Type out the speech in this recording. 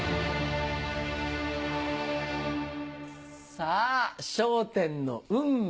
さぁ『笑点』の運命